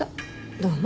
どうも。